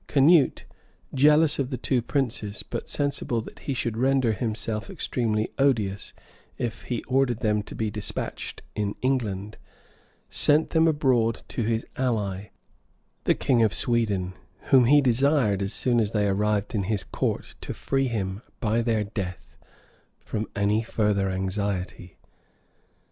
Canute, jealous of the two princes, but sensible that he should render himself extremely odious if he ordered them to be despatched in England, sent them abroad to his ally, the king of Sweden, whom he desired, as soon as they arrived at his court, to free him, by their death, from a& farther anxiety.